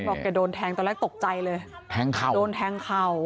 บอกแกโดนแทงตอนแรกตกใจเลยโดนแทงเข่า